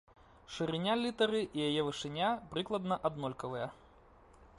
Шырыня літары і яе вышыня прыкладна аднолькавыя.